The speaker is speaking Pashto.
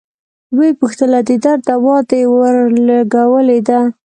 ويې پوښتله د درد دوا دې ورلګولې ده.